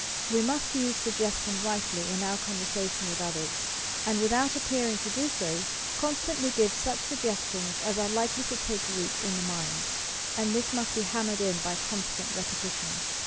We must use suggestion rightly in our conversation with others, and, without appearing to do so, constantly give such sug gestions as are likely to take root in the mind; and this most be hammered in by constant repetition.